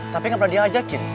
tapi gak pernah diajakin